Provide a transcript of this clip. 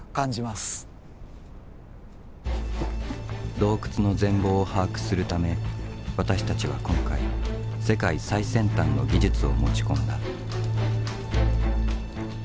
洞窟の全貌を把握するため私たちは今回世界最先端の技術を持ち込んだ。